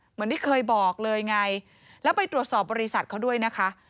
เหมือนที่เคยบอกเลยไงแล้วไปตรวจสอบบริษัทเขาด้วยนะคะ